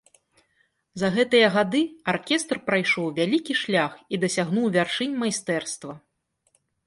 За гэтыя гады аркестр прайшоў вялікі шлях і дасягнуў вяршынь майстэрства.